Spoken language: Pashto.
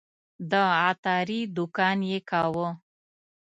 د عطاري دوکان یې کاوه.